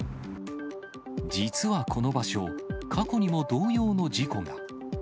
実はこの場所、過去にも同様の事故が。